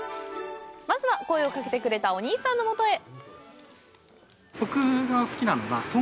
まずは、声をかけてくれたお兄さんのもとへ。